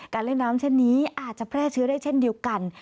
เล่นน้ำเช่นนี้อาจจะแพร่เชื้อได้เช่นเดียวกัน